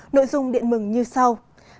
nội dung điện mừng như sau